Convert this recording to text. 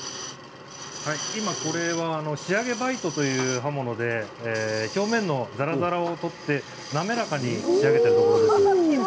仕上げバイトという刃物で表面のざらざらを取って滑らかに仕上げています。